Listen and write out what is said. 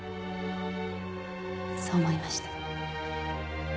そう思いました。